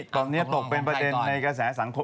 ตอนนี้ตกเป็นประเด็นในกระแสสังคม